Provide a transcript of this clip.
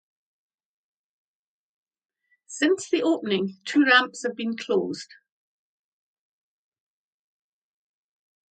Since the opening two ramps have been closed.